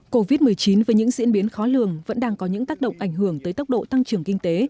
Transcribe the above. covid một mươi chín với những diễn biến khó lường vẫn đang có những tác động ảnh hưởng tới tốc độ tăng trưởng kinh tế